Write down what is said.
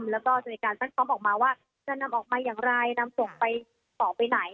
แล้วก็จะมีการตั้งพร้อมออกมาว่าจะนำออกมาอย่างไรนำศพไปต่อไปไหน